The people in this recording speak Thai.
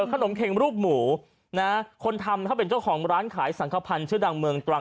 ขนมเข็งรูปหมูนะคนทำเขาเป็นเจ้าของร้านขายสังขพันธ์ชื่อดังเมืองตรัง